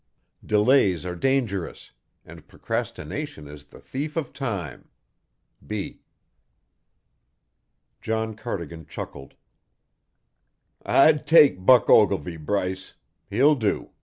Delays are dangerous, and procrastination is the thief of time. B. John Cardigan chuckled. "I'd take Buck Ogilvy, Bryce. He'll do.